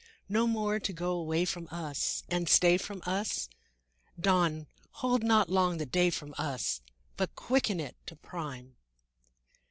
No more to go away from us And stay from us?— Dawn, hold not long the day from us, But quicken it to prime!